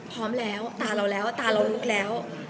พร้อมแล้วตาเราแล้วตาเราลึกแล้ว